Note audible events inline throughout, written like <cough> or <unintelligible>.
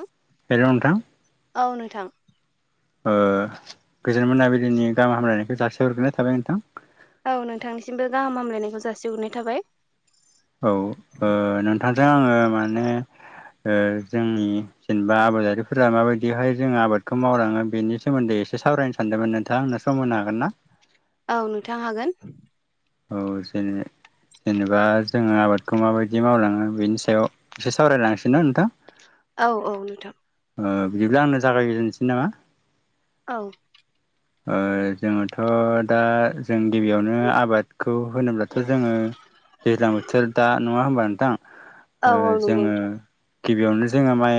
ओं हेल' नोंथां औ नोंथां ओ गोजोन मोनाबलिनि गाहाम हामलायनायखौ जासि हरग्रोनाय थाबाय नोंथां। औ नोंथांनिसिमबो गाहाम हामलायनायखौ जासिहरनाय थाबाय। औ ओ नोंथांजों आङो माने जोंनि जेनेबा आबादारिफोरा माबायदिहाय जोङो आबादखौ मावलाङो बेनि सोमोन्दै एसे सावरायनो सानदोंमोन नोंथाङा आंनो समो हागोन ना? औ नोंथां हागोन औ जेनि जेनेबा जोङो आबादखौ माबायदि मावलाङो बेनि सायाव एसे सावरायलांसै ना नोंथां औ-औ नोंथां बिदिब्ला आंनो जागायजेनसै नामा औ ओ जोङोथ' दा जों गिबियावनो आबाद खौ होनोब्लाथ' जोङो दैज्लां बोथोर दा नङा होमबा ओ औ नंगौ जोङो नोंथां गिबियावनो जोङो माइ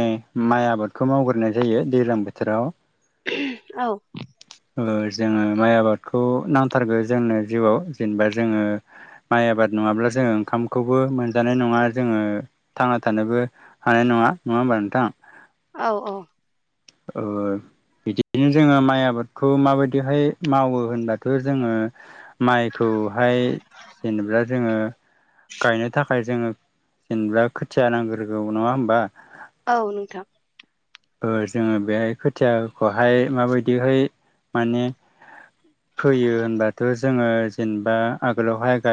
माइ आबादखौ मावग्रोनाय जायो दैज्लां बोथोराव औ ओ जोङो माइ आबादखौ नांथारगौ जोंनो जिउआव जेनेबा जोङो माइ आबाद नङाब्ला जोङो ओंखामखौबो मोनजानाय नङा जोङो थांना थानोबो हानाय नङा। नङा होमबा नोंथां औ-औ औ बिदिनो जोङो माइ आबादखौ माबायदिहाय मावो होनबाथ' जोङो माइ खौहाय जेनेबा जोङो गायनो थाखाय जोङो जेनेबा खोथिया नांग्रोगौ नङा होमबा औ नोंथां ओ जोङो बेाय खोथियाखौहाय माबायदिहाय माने फोयो होनबाथ' जोङो जेनेबा आगोलावहाय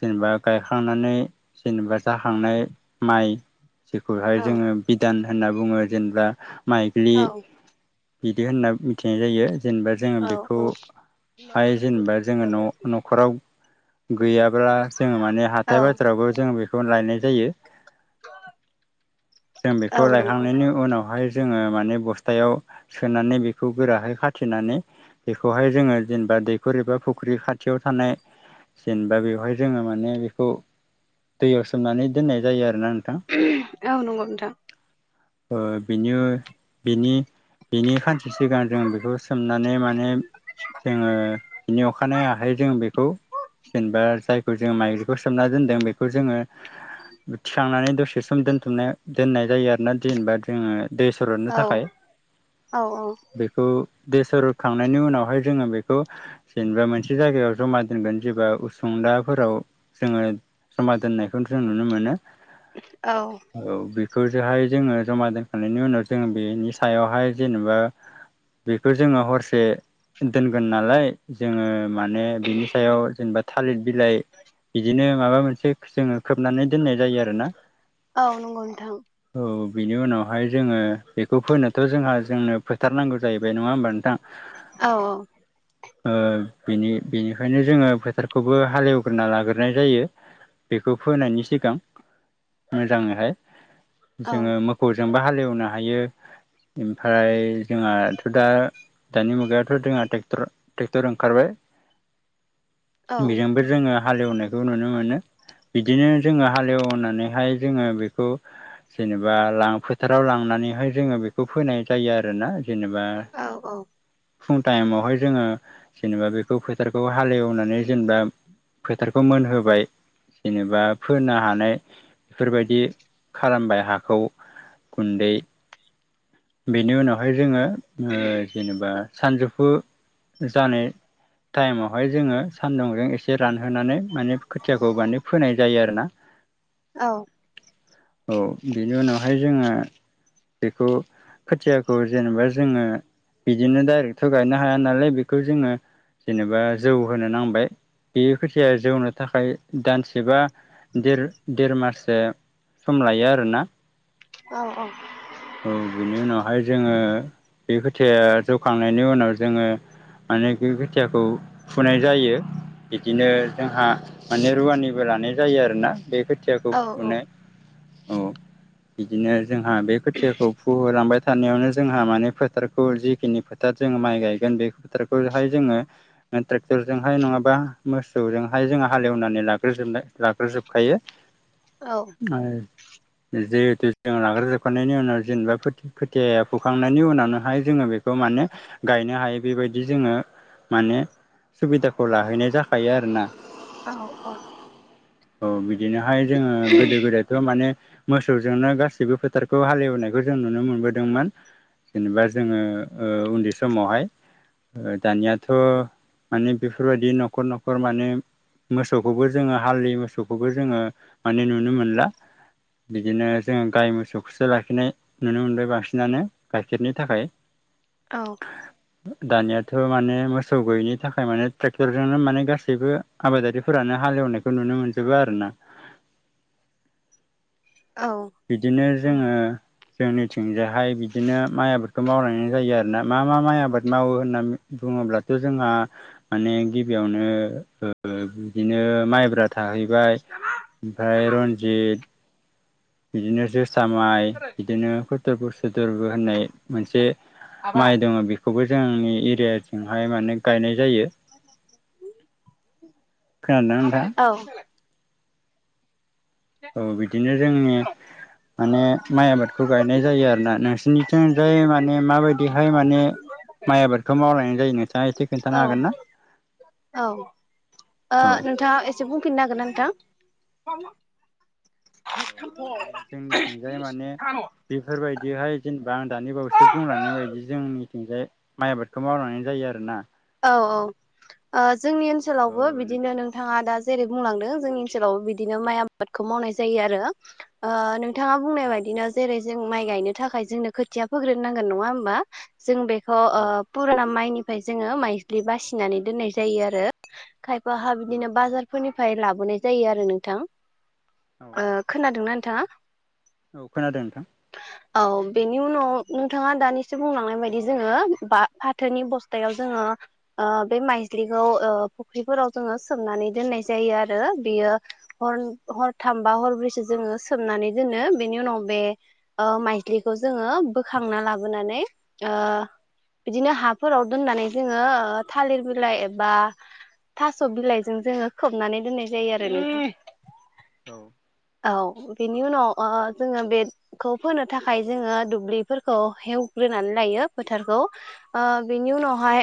जेनेबा गायखांनानै जेनेबा जाखांनाय माइ खौहाय औ जोङो बिधान होनना बुङो जेनेबा माइज्लि औ बिदि होनना मिथिनाय जायो जेनेबा जोङो औ बेखौहाय जेनेबा जोङो न' न'खराव गैयाब्ला जोङो माने हाथाय बाजारावबो जों बेखौ लायनाय जायो जों औ बेखौ नंगौ लायखांनायनि उनावहाय जोङो माने बस्थायाव सोनानै बेखौ गोराहै खाथिनानै बेखौहाय जोङो जेनेबा दैखर एबा फुख्रि खा खाथियाव थानाय जेनेबा बेवहाय जोङो माने बेखौ दैयाव सोमनानै दोननाय जायो आरो औ नंगौ नोंथां। बेनो बेनि बिनि खानसे सिगां जों बेखौ सोमनानै माने जोङो बिनि अखानायै आखाइ जों बेखौ जेनेबा जायखौ जों माइलिखौ सोमना दोनदों बेखौ जोङो थिखांनानै दसे सम दोनथुमनाय दोननाय जायो आरोना जेनेबा जोङो दै सुरदनो औ थाखाय औ औ बेखौ दै सरद खांनायनि उनावहाय जोङो बेखौ जेनेबा मोनसे जायगायाव जमा दोनगोन जेबा उसुंलाफोराव जोङो जमा दोननायखौ जों नुनो मोनो औ बे बेखौ जहाय जोङो जमा दोनखांनायनि उनाव जों बेनि सायावहाय जेनेबा बेखौ जोङो हरसे दोनगोन नालाय जोङो माने बिनि सायाव जेनेबा थालिर बिलाइ बिदिनो माबा मोनसे जोङो खोबनानै दोननाय जायो आरोना औ नंगौ नोंथां औ बिनि उनावहाय जोङो बेखौ फोनोथ' जोंहा जोंनो फोथारनांगौ जाहैबाय नङा होमबा नोंथां औ-औ बेनि बेनिखायनो जोङो फोथारखौबो हाले एवग्रोना लाग्रोनाय जायो बेखौ फोनायनि सिगां मोजाङैहाय औ जोङो मोखौजोंबो हा हालेवनो हायो ओमफ्राय जोंहाथ' दा दानि मुगायाथ' जोंहा ट्रेक्टर ट्रेक्टर ओंखारबाय औ बेजोंबो जोङो हालेवनायखौ नुनो मोनो। बिदिनो जोङो हालेवनानैहाय जोङो बेखौ जेनेबा फोथाराव लांनानैहाय जोङो बेखौ फोनाय जायो आरोना। जेनेबा औ फुं टाइमावहाय जोङो जेनेबा बेखौ फो फोथारखौ हालेवनानै जेनेबा फोथारखौ मोनहोबाय जेनेबा फोनो हानाय बेफोरबायदि खालामबाय हाखौ गुन्दै बेनि उनावहाय जोङो जेनेबा ओ सानजौफु जानाय टाइमावहाय जोङो सान्दुंजों एसे रानो होनोनानै माने खोथियाखौ माने फोनाय जायो आरो नों औ औ बेनि उनावहाय जोङो बेखौ खोथियाखौ जेनेबा जोङो बिदिनो डायरेक्थ' गायनो हाया नालाय बेखौ जोङो जेनेबा जौ होनो नांबाय बे खोथिया जौनो थाखाय दानसेबा देर देरमाससो सम लायो आरोना औ औ औ बिनि उनावहाय जोङो बे खोथिया जौखांनायनि उनाव जोङो मानेखि खोथियाखौ फुनाय जायो। बिदिनो जोंहा माने रुवानिबो लानाय जायो आरोना बेखो खोथियाखौ फुनाय औ बिदिनो जोंहा बे खोथियाखौ होलांबाय थानायावनो जोंहा माने फोथारखौ जिखिनि फोथार जोङो माइ गायगोन बे फोथारखौहाय जोङो ट्रेक्टरजोंहाय नङाबा मोसौजोंहाय जोंङो हालेवनानै लाग्रोजोब लाग्रोजोबखायो। जिहेथु जों नाग्रोजोबखांनायनि उनाव जेनेबा खोथिया फुखांनायनि उनावनोहाय जोङो बेखौ माने गायनो हायो बेबायदि जोङो माने सुबिदाखौ लाहैनाय जाखायो आरोना। औ औ औ बिदिनोहाय जोङो गोदो गोदायथ' माने मोसौजोंनो गाससिबो फोथारखौ हालेवनाय बेखौ जों नुनो मोनबोदोंमोन जेनेबा जोङो उन्दै समावहाय दानियाथ' माने बेफोरबायदि न'खर न'खर माने मोसौखौबो जोङो हालि मोसौखौबो जोङो माने नुनो मोनला। बिदिनो जोंङो गाय मोसौखौसो लाखिनाय नुनो मोनबाय बांसिनानो गाइखेरनि थाखाय दानियाथ' माने मोसौ गैयैनि थाखाय माने ट्रेक्टरजोंनो माने गासैबो आबादारिफोरानो हालेव नाय नुनो मोनजोबो आरोना बिदिनो जोंङो जोंनिथिंजायहाय बिदिनो माइ आबादखौ मावलायनाय जायो आर ना मा मा माइ आबाद मावो होनना बुङोब्लाथ' जोंहा माने गिबियावनो ओ बिदिनो माइब्रा था थाहैबाय ओमफ्राय रन्जित बिदिनो जोसा माइ बिदिनो फदरबो सोथोरबो होननाय मोनसे माइ दंङ बेखौबो जोंनि एरियाजोंहाय माने गायनाय जायो। खोनादोंना नोंथां औ औ बिदिनो जोंनि माने माइ आबादखौ गायनाय जायो आरो ना नोंसोरनिथिं जाय माने माबायदिहाय माने माइ आबादखौ मावलायनाय जायो नोंथाङा एसे खोनन्थानो औ हागोन ना? औ ओ औ नोंथाङा एसे बुंफिननो हागोनना नोंथां? अ माने जोंनिथिंजाय माने बेफोरबायदि बेहाय जेनेबा आं दानि बावैसो बुंलांनाय बायदि जोंनिथिंजाय माइ आबादखौ मावलांनाय जायो आरोना। औ औ ओ जोंनि औ ओनसोलावबो नों बिदिनो नोंथाङा दा जेरै बुंलांदों जोंनि ओनसोलाव बिदिनो माइ आबादखौ मावनाय जायो आरो ओ नोंथाङा बुंनाय औ बायदिनो जेरै जों माइ गायनो थाखाय जोंनो खोथिया फोग्रोनांगोन नङा होमबा जों बे ओ औ फुराना माइनिफ्राय जोङो माइदि्लि बासिनानै दोननाय जायो आरो। खायफाहा उम बिदिनो बाजारफोरनिफ्राय लाबोनाय जायो आरो नोंथां। औ ओ खोनादोंना नोंथांङा? औ खोनादों नोंथां। औ बेनि उनाव नोंथाङा दानिसो बुंलांनाय बायदि जोङो बा फाथोनि बस्था हुथायाव जोङो ओ बे माइजलिखौ फुख्रिफोराव जोङो सोमनानै दोननाय जायो आरो। बेयो हर हरथामबा हरब्रैसो जोङो सोमनानै दोनो बेनि उनाव बे ओ माइज्लिखौ जोङो बोखांना लाबोनानै ओ बिदिनो हाफोराव दोननानै जोंङो ओ थालिर बिलाइ एबा थास' बिलाइजों जोंङो खोबनानै दोननाय जायो आरो। औ औ। बेनि उनाव ओ जोङो बेखौ फोनो थाखाय जोङो दुब्लिफोरखौ हेवग्रोनानै लायो। फोथारखौ ओ बेनि उनावहाय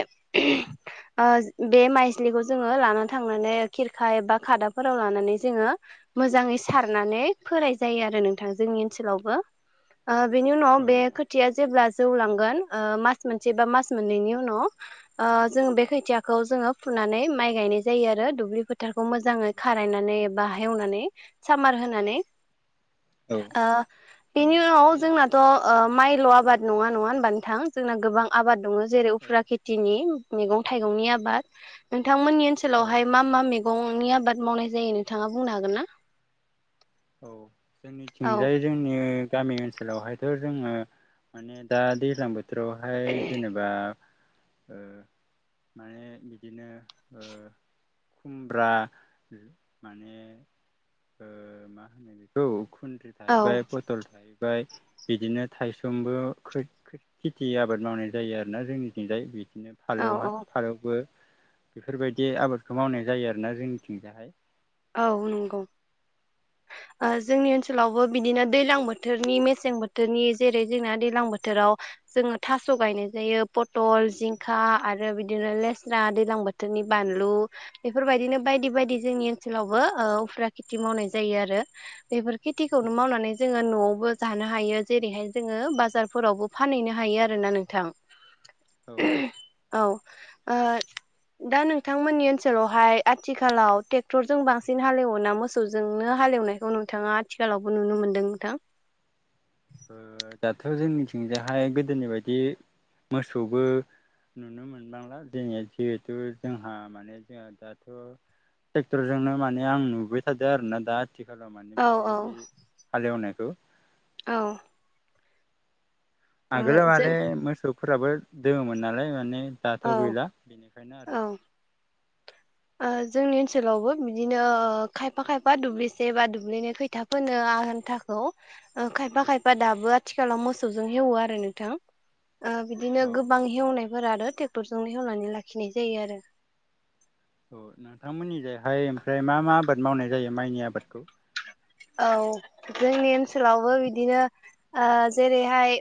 ओ बे माइज्लिखौ जोङो लानानै थांनानै खिरखा बा खादाफोराव लानानै जोंङो मोजाङै सारनानै फोनाय जायो आरो नोंथां जोंनि ओनसोलावबो। <unintelligible> ओ बेनि उनाव औ बे नोंथां खोथिया जेब्ला जौ लांगोन मास मोनसे बा मास मोनैनि उनाव ओ जों बे खोथियाखौ जोङो फुनानै माइ गायनाय जायो आरो दुब्लि फोथार मोजाङै खारायनानैबा हेवनानै सामार होनानै। औ ओ बेनि औ उनाव जोंनाथ' ओ माइल' आबाद नङा नङा होमबा नोंथां जोंना गोबां आबाद दंङ। जेरै उफुरा खेथिनि मैगं थाइगंनि आबाद। नोंथांमोननि औ ओनसोलावहाय मा मा मैगंनि आबाद मावनाय जायो नोंथाङा बुंनो हागोन ना? औ औ जोंनिथिंजाय जोंनि गामि ओनसोलावहायथ' जोङो माने दा दैज्लां बोथोरावहाय जेनेबा ओ माने बिदिनो ओ खुमब्रा माने ओ मा <unintelligible> बेखौ खुन्द्रि औ थाहैबाय पथल थायो ओमफ्राय बिदिनो थाइसंबो खो खेथि आबाद मावनाय जायो आरोना जोंनिथिंजाय बि बिदिनो औ फालौ औ फालौबो। बेफोरबायदि आबादखौ मावनाय जायो आरोना जोंनिथिंजाहाय। औ नंगौ। <inaudible> ओ जोंनि ओनसोलावबो बिदिनो दैलां बोथोरनि मेसें बोथोरनि जेरै जोंना दैलां बोथोराव जोङो थास' गायनाय जायो पथल जिंखा आरो बिदिनो लेस्रा दैलां बोथोरनि बा बानलु बेफोरबायदिनो बायदि बायदि जोंनि ओनोलावबो ओ उफ्राखेथि मावनाय जायो आरो बेफोर औ खेथिखौनो मावनानै जोङो न'आवबो जा जानोहायो जेरैहाय जोङो बाजारफोरावबो फानहैनो हायो आरोना नोंथां। औ। औ ओ दा नोंथांमोननि ओनसोलावहाय आथिखालाव टेक्स क्टरजों बांसिन हाल एवोना मोसौजोंनो हालेवनायखौ नोंथाङा आथिखालावबो नुनो मोनदों नोंथां? ओ दाथ' जोंनिथिंजायहाय गोदोनि बायदि मोसौबो नुनो मोनबांला जोंनि जिहेथु जोंहा माने जोंहा दाथ' ट्रेक्टरजोंनो माने आं नुबाय थादो आरो ना दा आथिखालाव माने औ औ बेफोरबायदि हाल एवनायखौ। औ। आगोलाव माने जों मोसौफोराबो दोङोमोन नालाय माने दाथ' औ गैला बेनिखायनो आरो। औ ओ जोंनि ओनसोलावबो बिदिनो खायफा खायफा दुब्लिसे बा दुब्लिनि खैथा फोनो आनथाखौ खायफा खायफा दाबो आथिखालाव मोसौजों हेवो आरो नोंथां ओ बिदिनो औ गोबां हेवनायफोर आरो ट्रेक्टरजोंनो हेवनानै लाखिनाय जायो आरो। औ नोंथांमोननि जिहाय ओमफ्राय मा मा आबाद मावनाय जायो माइनि आबादखौ। औ जोंनि ओनसोलावबो बिदिनो ओ जेरैहाय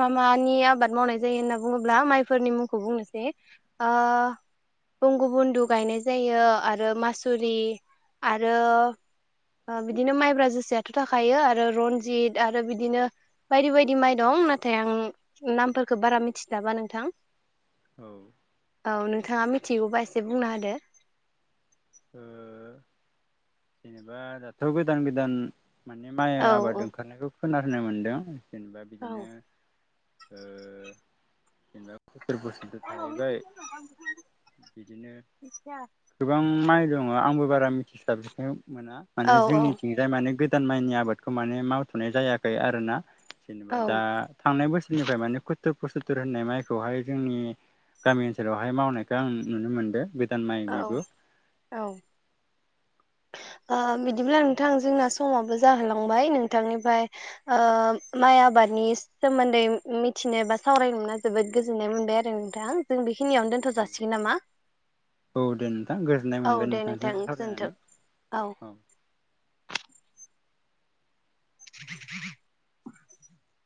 मा मा नि आबाद मावनाय जायो होनना बुङोब्ला माइफोरनि मुंखौ बुंनोसै ओ गुबुन गुबुनदो गायनाय जायो आरो मासुरि आरो ओ बिदिनो माइब्रा जोसायाथ' थाखायो आरो रनजित आरो बिदिनो बायदि बायदि माइ दं। नाथाय आं नामफोरखौ बारा मिथि स्लाबा नोंथां। औ। औ नोंथाङा मिथिगौबा एसे बुंना होदो । दा दाथ' गोदान गोदान माने माइ औ आबाद ओंखारनायखौ खोनानो मोनदों जेनेबा बिदिनो ओ जेनेबा <inaudible> थाहैबाय। बिदिनो गोबां माइ दङ' आंबो। बारा मिथिस्लाबनो मोना औ माने जोंनिथिं जाय माने गोर गोदान माइनि आबादखौ माने मावथ'नाय जायाखै आरोना जेनेबा दा औ थांनाय बोसोरनिफ्राय माने खो <inaudible> होननाय माइखौहाय जोंनि गामि ओनसोलावहाय मावनायखौ आं नुनो मोनदों गोदान माइ औ बेबो औ औ ओ बिदिब्ला नोंथां जोंना स माबो जाहोलांबाय नोंथांनिफ्राय ओ माइ आबादनि सोमोन्दै मिथि मिथिनो बा सावरायनो मोनना जोबोद गोजोननाय मोनबाय आरो नोंथां जों बेखिनियावनो दोनथ' औ जासिगोन नामा औ दे नोंथां गोजोननाय औ मोनबाय दे नोंथांजों नोंथां सावरायनानै गोजोन्थों औ <inaudible> <inaudible>